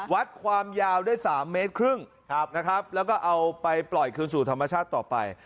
วัดความยาวได้๓๕เมตรแล้วก็เอาไปปล่อยคืนสู่ธรรมชาติต่อไป